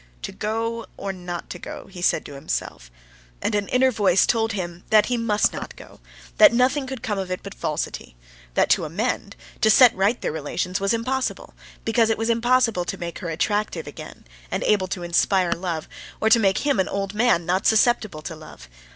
"To go, or not to go!" he said to himself; and an inner voice told him he must not go, that nothing could come of it but falsity; that to amend, to set right their relations was impossible, because it was impossible to make her attractive again and able to inspire love, or to make him an old man, not susceptible to love.